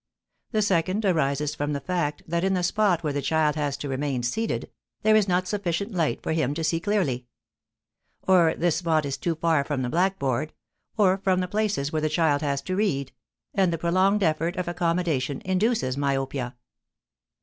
The second arises from the fact that in the spot where the child has to remain seated, there is not sufficient light for him to see clearly; or this spot is too far from the blackboard, or from the places where the child has to read, and the prolonged effort of accommodation induces myopia.